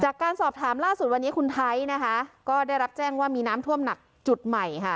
จากการสอบถามล่าสุดวันนี้คุณไทยนะคะก็ได้รับแจ้งว่ามีน้ำท่วมหนักจุดใหม่ค่ะ